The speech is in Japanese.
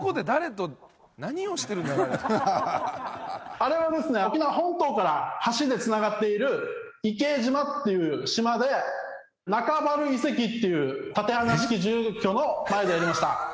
あれはですね沖縄本島から橋で繋がっている伊計島っていう島で仲原遺跡っていう竪穴式住居の前でやりました。